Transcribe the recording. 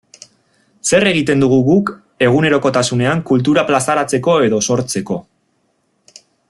Zer egiten dugu guk egunerokotasunean kultura plazaratzeko edo sortzeko?